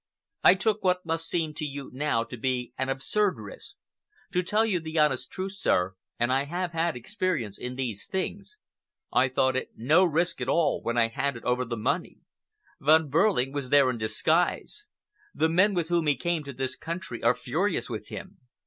I took what must seem to you now to be an absurd risk. To tell you the honest truth, sir, and I have had experience in these things, I thought it no risk at all when I handed over the money. Von Behrling was there in disguise. The men with whom he came to this country are furious with him.